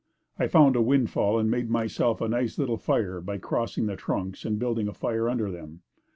I found a windfall and made myself a nice little fire by crossing the trunks and building a fire under them.